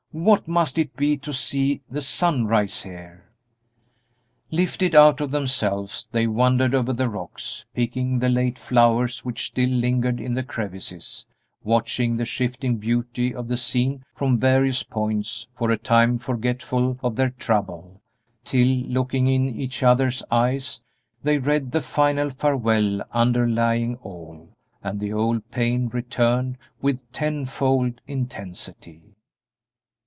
What must it be to see the sunrise here!" Lifted out of themselves, they wandered over the rocks, picking the late flowers which still lingered in the crevices, watching the shifting beauty of the scene from various points, for a time forgetful of their trouble, till, looking in each other's eyes, they read the final farewell underlying all, and the old pain returned with tenfold intensity.